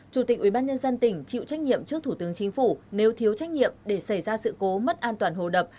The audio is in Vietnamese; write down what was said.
chủ tịch ubnd tỉnh chịu trách nhiệm trước thủ tướng chính phủ nếu thiếu trách nhiệm để xảy ra sự cố mất an toàn hồ đập